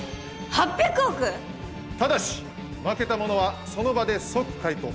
ただし負けた者はその場で即解雇。